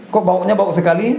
kok baunya bau sekali